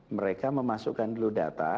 mereka memasukkan dulu data